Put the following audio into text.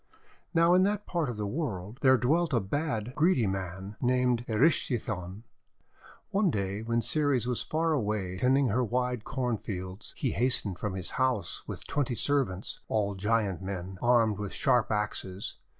Now in that part of the world there dwelt a bad, greedy man named Erysichthon. One day when Ceres was far away tending her wide corn fields, he hastened from his house with twenty servants, all giant men armed with sharp axes.